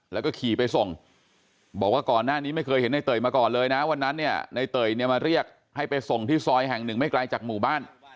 แล้วก็ขี่ไปส่งบอกว่าก่อนหน้านี้ไม่เคยเห็นในเตยมาก่อนเลยนะวันนั้นเนี่ยในเตยเนี่ยมาเรียกให้ไปส่งที่ซอยแห่งหนึ่งไม่ไกลจากหมู่บ้าน